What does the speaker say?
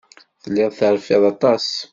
Telliḍ terfiḍ aṭas.